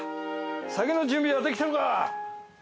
酒の準備はできてるか？